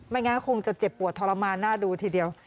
งั้นคงจะเจ็บปวดทรมานน่าดูทีเดียว